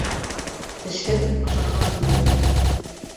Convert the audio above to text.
Тешһеҙ ашарға тилмерер.